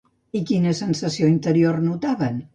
I quina sensació interior notaven?